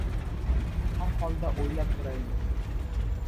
Har holda, o‘ylab ko‘raylik…